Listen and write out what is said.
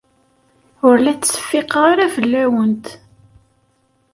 Ur la ttseffiqeɣ ara fell-awent.